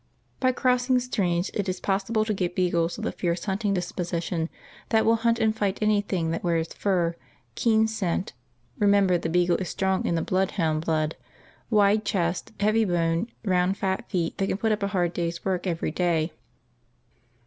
By crossing strains it is possible to get beagles with a fierce hunting disposition, that will hunt and fight anything that wears fur, keen scent (remember the beagle is strong in the blood hound blood) wide chest, heavy bone, round fat feet that can put up a hard day's work every day.